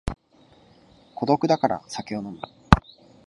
孤独だから酒を飲む